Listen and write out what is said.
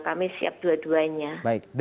kami siap dua duanya